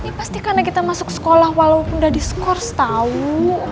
ini pasti karena kita masuk sekolah walaupun udah di skors tau